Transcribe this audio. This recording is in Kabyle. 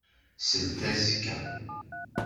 Seld azekka.